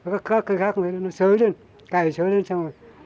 các cây khác nó sới lên cài sới lên xong rồi